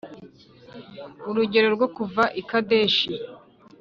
Urugendo rwo kuva i Kadeshi-